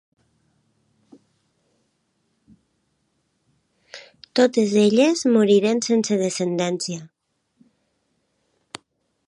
Totes elles moriren sense descendència.